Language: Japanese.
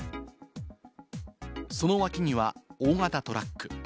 その脇には大型トラック。